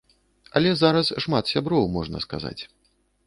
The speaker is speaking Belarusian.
Але зараз шмат сяброў, можна сказаць.